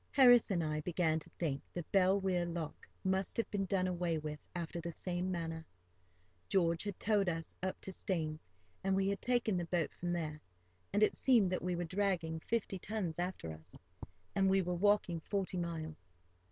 Harris and I began to think that Bell Weir lock must have been done away with after the same manner. George had towed us up to Staines, and we had taken the boat from there, and it seemed that we were dragging fifty tons after us, and were walking forty miles.